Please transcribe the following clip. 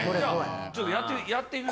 ちょっとやってみます？